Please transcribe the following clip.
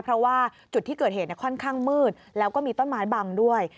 เพราะว่าจุดที่เกิดเหตุค่อนข้างมืดแล้วก็มีต้นไม้บังด้วย